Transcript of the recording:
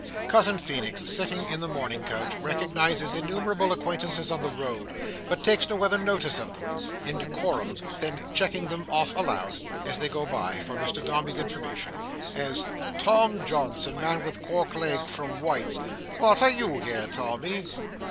Cousin Feenix, sitting in the mourning coach, recognises innumerable acquaintances on the road, but takes no other notice of them, in decorum, than checking them off aloud, as they go by, for Mr Dombey's information, as "Tom Johnson. Man with cork leg, from White's. What, are you here, Tommy?